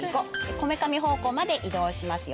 こめかみ方向まで移動しますよ。